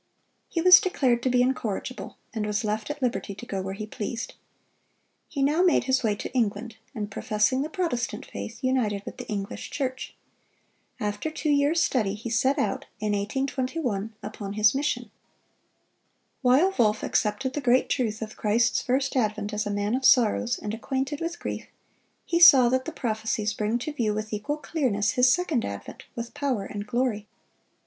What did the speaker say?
He was declared to be incorrigible, and was left at liberty to go where he pleased. He now made his way to England, and professing the Protestant faith, united with the English Church. After two years' study he set out, in 1821, upon his mission. While Wolff accepted the great truth of Christ's first advent as "a man of sorrows, and acquainted with grief," he saw that the prophecies bring to view with equal clearness His second advent with power and glory.